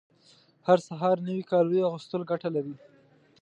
هر سهار نوي کالیو اغوستل ګټه لري